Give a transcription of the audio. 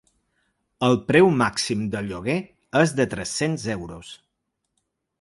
El preu màxim del lloguer és de tres-cents euros.